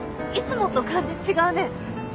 いつもと感じ違うね。